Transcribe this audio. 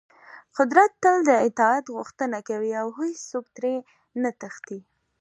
قدرت تل د اطاعت غوښتنه کوي او هېڅوک ترې نه تښتي.